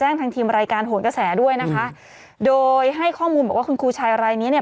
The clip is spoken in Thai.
ไปแจ้งทางทีมรายการโหล์นกระแสด้วยนะคะโดยให้ข้อมูลว่าคุณครูชายอะไรเนี่ย